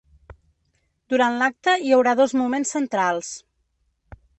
Durant l’acte hi haurà dos moments centrals.